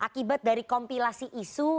akibat dari kompilasi isu